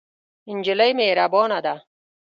نجلۍ مهربانه ده.